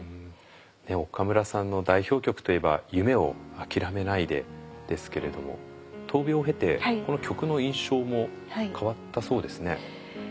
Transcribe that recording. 岡村さんの代表曲といえば「夢をあきらめないで」ですけれども闘病を経てこの曲の印象も変わったそうですね。